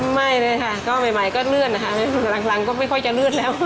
ไม่เลยค่ะก็ใหม่ก็เลื่อนนะคะหลังก็ไม่ค่อยจะเลื่อนแล้ว